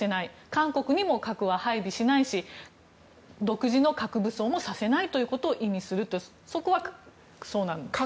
韓国にも核は配備しないし独自の核武装もさせないということを意味するんでしょうか。